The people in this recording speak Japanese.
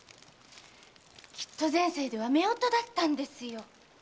きっと前世では夫婦だったんですよ。